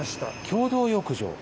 共同浴場？